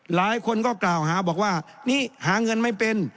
หลายคนก็กล่าวหาบอกว่านี่หาเงินไม่เป็น